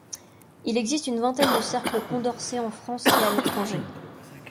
Il existe une vingtaine de Cercle Condorcet en France et à l'étranger.